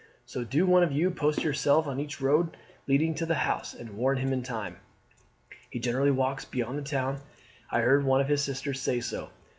So do one of you post yourself on each road leading to the house, and warn him in time. He generally walks beyond the town. I heard one of his sisters say so.'